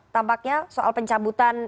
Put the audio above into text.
tampaknya soal pencabutan